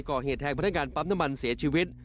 ก่อเหตุแทงพนักงานปั๊มน้ำมันเสียชีวิต